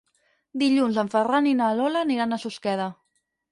Dilluns en Ferran i na Lola aniran a Susqueda.